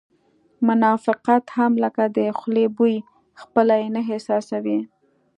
منافقت هم لکه د خولې بوی خپله یې نه احساسوې